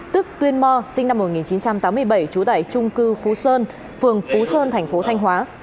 tức tuyên mò sinh năm một nghìn chín trăm tám mươi bảy trú tại trung cư phú sơn phường phú sơn thành phố thanh hóa